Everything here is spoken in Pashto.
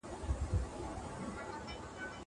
زه اجازه لرم چي امادګي ونيسم!